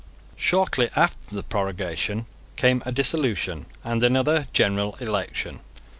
Shortly after the prorogation came a dissolution and another general election.